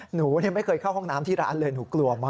หนูไม่เคยเข้าห้องน้ำที่ร้านเลยหนูกลัวมาก